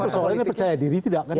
ini persoalan ini percaya diri tidak kan